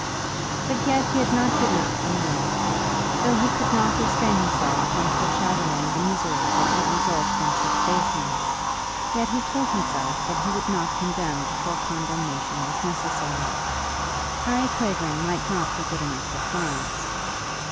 But yet he had not given up the man. Though he could not restrain himself from foreshadowing the misery that would result from such baseness, yet he told himself that he would not condemn before condemnation was necessary. Harry Clavering might not be good enough for Florence.